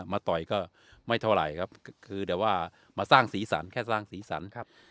มาต่อยก็ไม่เท่าไรครับคือแต่ว่ามาสร้างศรีสรรค์แค่สร้างศรีสรรค์ครับ